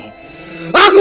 aku sudah buta jinawan